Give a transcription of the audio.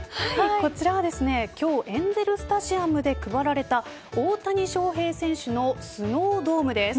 こちらは今日エンゼルスタジアムで配られた大谷翔平選手のスノードームです。